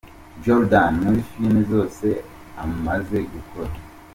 Jordan muri filime zose amaze gukora.